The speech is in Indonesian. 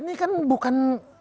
ini kan bukan